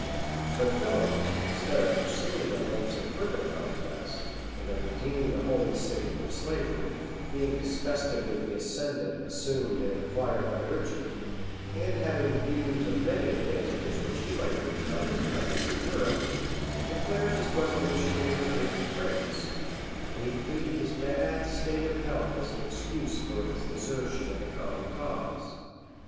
] But Philip, instead of pursuing the hopes of further conquest, and of redeeming the holy city from slavery, being disgusted with the ascendant assumed and acquired by Richard, and having views of many advantages which he might reap by his presence in Europe, declared his resolution of returning to France; and he pleaded his bad state of health as an excuse for his desertion of the common cause.